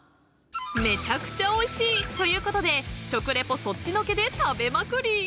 ［めちゃくちゃおいしいということで食レポそっちのけで食べまくり］